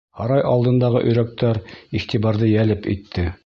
Һарай алдындағы өйрәктәр иғтибарҙы йәлеп итте.